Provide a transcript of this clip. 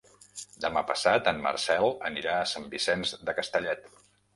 Demà passat en Marcel anirà a Sant Vicenç de Castellet.